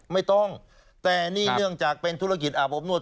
ไม่ต้องแต่นี่เนื่องจากเป็นธุรกิจอาบอบนวด